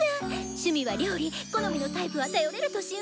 趣味は料理好みのタイプは頼れる年上。